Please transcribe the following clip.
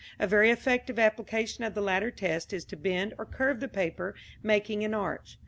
A very effective application of the latter test is to bend or curve the paper, making an arch.